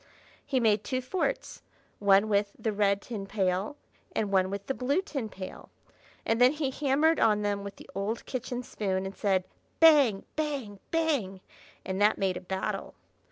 He made two forts, one with the red tin pail and one with the blue tin pail; and then he hammered on them with the old kitchen spoon and said, "Bang! bang! bang!" and that made a battle.